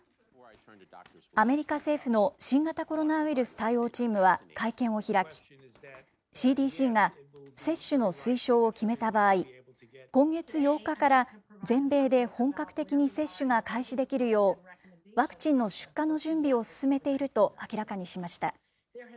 アメリカ政府の新型コロナウイルス対応チームは会見を開き、ＣＤＣが接種の推奨を決めた場合、今月８日から全米で本格的に接種が開始できるよう、ワクチンの出荷の準備を進めていると明らかにしました。